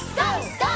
ＧＯ！